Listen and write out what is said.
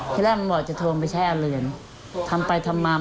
ที่แรกมึงบอกจะโทรไปใช้อาเรือนทำไปทำมา